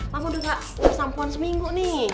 mama udah gak bersampuan seminggu nih